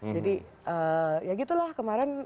jadi ya gitu lah kemarin